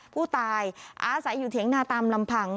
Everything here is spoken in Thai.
ผู้ตายอาศัยอยู่เถียงนาตามลำพัง